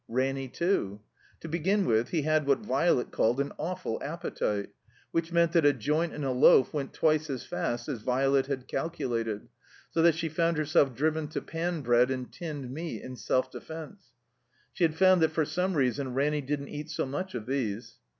Ranny too. To begin with, he had what Violet called an awful appetite. Which meant that a joint and a loaf went twice as fast as Violet had calculated; so that she fotmd herself driven to pan bread and tinned meat in self defense. She had f ovind that for some reason Ranny didn't eat so much of these.